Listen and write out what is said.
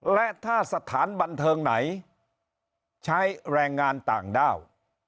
และถ้าสถานบันเทิงไหนใช้แรงงานต่างด้าว